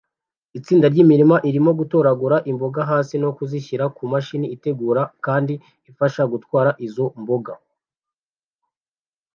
Itsinda ryimirima irimo gutoragura imboga hasi no kuzishyira kumashini itegura kandi ifasha gutwara izo mboga